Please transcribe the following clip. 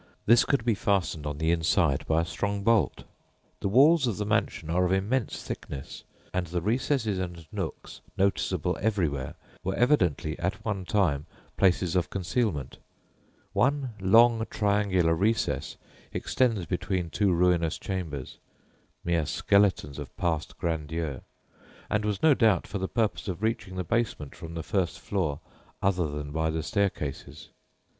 This could be fastened on the inside by a strong bolt. The walls of the mansion are of immense thickness, and the recesses and nooks noticeable everywhere were evidently at one time places of concealment; one long triangular recess extends between two ruinous chambers (mere skeletons of past grandeur), and was no doubt for the purpose of reaching the basement from the first floor other than by the staircases.